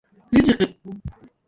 رزِقق